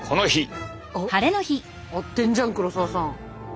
あっ合ってんじゃん黒沢さん